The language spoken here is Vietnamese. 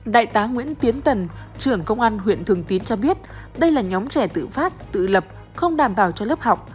đại tá nguyễn tiến tần trưởng công an huyện thường tín cho biết đây là nhóm trẻ tự phát tự lập không đảm bảo cho lớp học